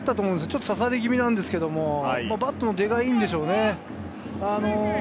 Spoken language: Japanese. ちょっと刺さり気味なんですけれど、バットの出がいいんでしょうね。